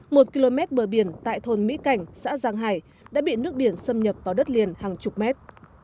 một km bờ biển tại thôn mỹ cảnh xã giang hải đã bị nước biển xâm nhập vào đất liền hàng chục mét